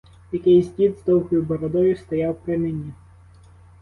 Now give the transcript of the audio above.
Якийсь дід з довгою бородою стояв при мені.